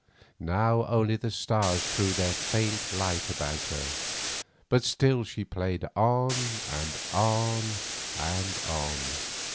Now only the stars threw their faint light about her, but still she played on, and on, and on.